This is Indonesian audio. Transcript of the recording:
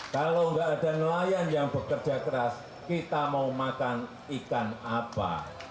kalau nggak ada nelayan yang bekerja keras kita mau makan ikan apa